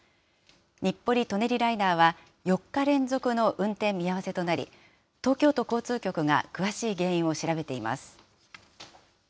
日暮里・舎人ライナーは４日連続の運転見合わせとなり、東京都交通局が詳しい原因を調べています。